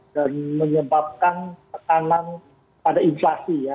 dan menyebabkan pertanganan pada inflasi ya